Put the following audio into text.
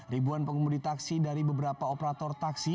ribuan pengumum di taksi dari beberapa operator taksi